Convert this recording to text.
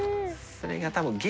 それが多分緑川）